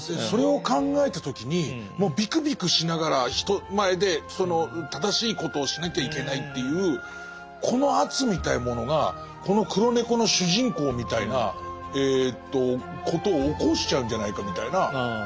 それを考えた時にもうびくびくしながら人前で正しいことをしなきゃいけないっていうこの圧みたいなものがこの「黒猫」の主人公みたいなことを起こしちゃうんじゃないかみたいな。